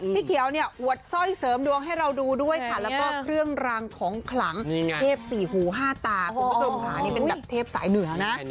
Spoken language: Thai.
พี่เขียวเนี่ยอวดสร้อยเสริมดวงให้เราดูด้วยค่ะแล้วก็เครื่องรางของขลังเทพสี่หูห้าตาคุณผู้ชมค่ะนี่เป็นแบบเทพสายเหนือนะ